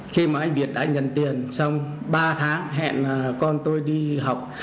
khi mà anh việt đã nhận tiền xong ba tháng hẹn con tôi đi học